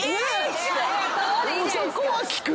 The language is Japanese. そこは聞く。